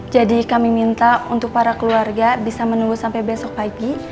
jadi kami minta untuk para keluarga bisa menunggu sampai besok pagi